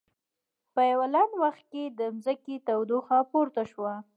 په یوه لنډ وخت کې د ځمکې تودوخه پورته شوه.